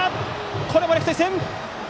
これもレフト線！